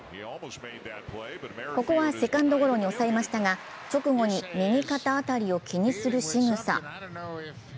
ここはセカンドゴロに抑えましたが直後に右肩辺りを気にするしぐさ。